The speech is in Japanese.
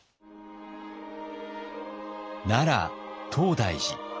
奈良東大寺。